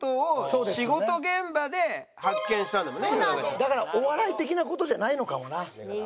だからお笑い的な事じゃないのかもな。